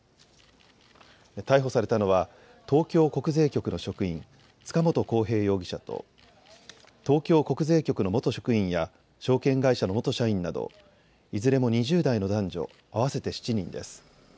逮捕されたのは東京国税局の職員、塚本晃平容疑者と東京国税局の元職員や証券会社の元社員などいずれも２０代の男女合わせて７人です。